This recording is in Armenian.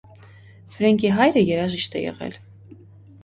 Ֆրենկի հայրը երաժիշտ է եղել։